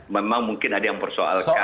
memang mungkin ada yang persoalkan